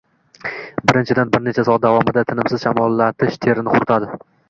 Birinchidan, bir necha soat davomida tinimsiz shamollatish terini quritadi.